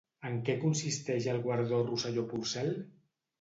En què consisteix el guardó Rosselló-Porcel?